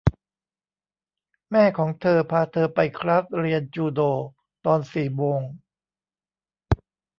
แม่ของเธอพาเธอไปคลาสเรียนจูโดตอนสี่โมง